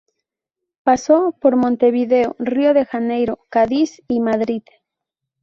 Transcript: Pasó por Montevideo, Río de Janeiro, Cádiz y Madrid.